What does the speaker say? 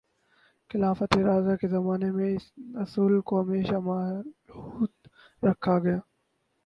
خلافتِ راشدہ کے زمانے میں اس اصول کو ہمیشہ ملحوظ رکھا گیا